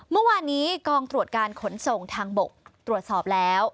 เมื่อวานนี้กองตรวจการขนส่งทางบกตรวจสอบแล้ว